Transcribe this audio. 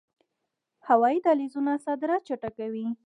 هوایی دهلیزونه صادرات چټکوي